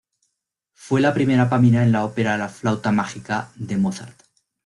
Fue la primera Pamina en la ópera "La flauta mágica", de Mozart.